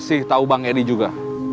dan saya tahu bang edy juga